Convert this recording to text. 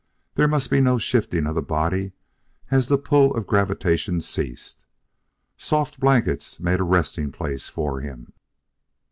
There must be no shifting of the body as the pull of gravitation ceased. Soft blankets made a resting place for him.